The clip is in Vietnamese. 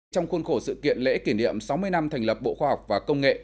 trong khuôn khổ sự kiện lễ kỷ niệm sáu mươi năm thành lập bộ khoa học và công nghệ